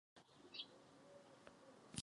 Po studiu práv pracoval jako advokát v Marseille.